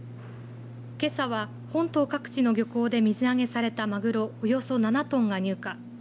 けさは、本島各地の漁港で水揚げされたマグロおよそ７トンが入荷